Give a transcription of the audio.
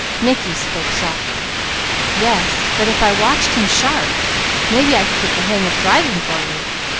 Mickey spoke softly: "Yes, but if I watched him sharp, maybe I could get the hang of driving for you.